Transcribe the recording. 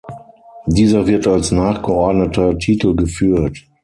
Dieser wird als nachgeordneter Titel geführt.